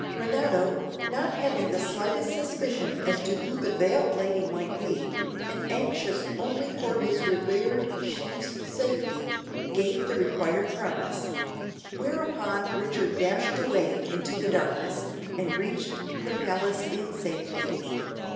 Renato, not having the slightest suspicion as to who the veiled lady might be, and anxious only for his revered chief's safety, gave the required promise; whereupon Richard dashed away into the darkness, and reached the palace in safety.